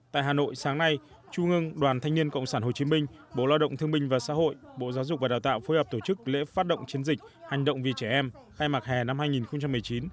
tại hà nội sáng nay trung ương đoàn thanh niên cộng sản hồ chí minh bộ lao động thương minh và xã hội bộ giáo dục và đào tạo phối hợp tổ chức lễ phát động chiến dịch hành động vì trẻ em khai mạc hè năm hai nghìn một mươi chín